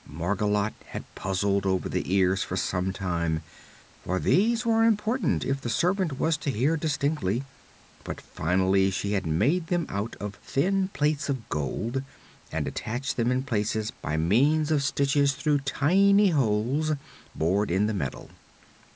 Margolotte had puzzled over the ears for some time, for these were important if the servant was to hear distinctly, but finally she had made them out of thin plates of gold and attached them in place by means of stitches through tiny holes bored in the metal.